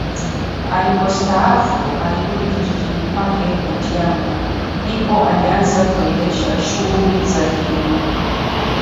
Alipostaafu alirudi kijijini kwake Butiama ndipo alianza kuendesha shughuli za kilimo